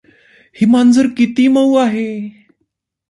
ही मांजर किती मऊ आहे.